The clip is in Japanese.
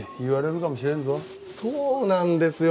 そうなんですよ。